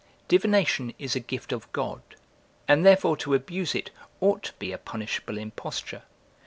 Divination is a gift of God, and therefore to abuse it, ought to be a punishable imposture.